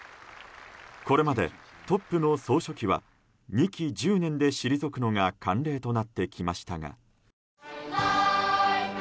これまでトップの総書記は２期１０年で退くのが慣例となってきましたが。